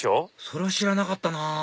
それは知らなかったなぁ